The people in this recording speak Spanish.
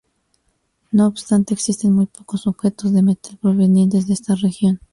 No obstante, existen muy pocos objetos de metal provenientes de esta región.